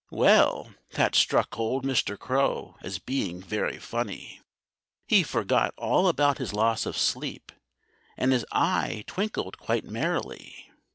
Well, that struck old Mr. Crow as being very funny. He forgot all about his loss of sleep. And his eye twinkled quite merrily.